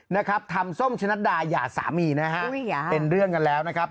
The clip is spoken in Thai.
นะครับทำส้มชะนัดดาหย่าสามีนะฮะเป็นเรื่องกันแล้วนะครับ